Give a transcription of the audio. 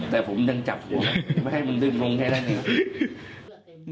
แต่ผมยังจับผมไม่ให้มันดึงลงแค่นั้นเองครับ